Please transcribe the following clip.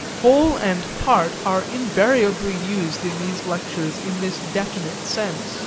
Whole and part are invariably used in these lectures in this definite sense.